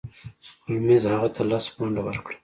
هولمز هغه ته لس پونډه ورکړل.